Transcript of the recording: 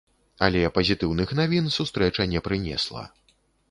Але пазітыўных навін сустрэча не прынесла.